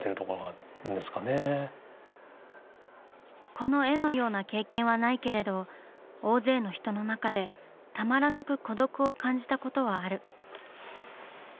この絵のような経験はないけれど大勢の人の中でたまらなく「孤独」を感じたことはある。